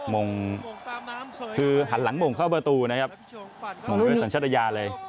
มงคือหันหลังมงเข้าประตูนะครับมงด้วยสัญชาติยาเลย